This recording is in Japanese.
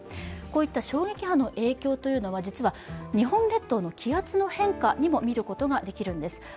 こういった衝撃波の影響は、実は日本列島の気圧の変化にも見ることができるんです。